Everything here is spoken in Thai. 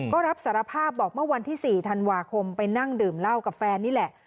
ก็รับสารภาพบอกเมื่อวันที่๔ธันวาคมไปนั่งดื่มเหล้ากับแฟนนี่แหละ